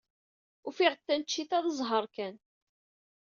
Ufiɣ-d taneččit-a d zzheṛ kan.